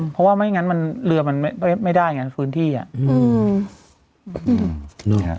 เพราะว่าไม่งั้นมันเรือมันไม่ได้ไงพื้นที่อ่ะ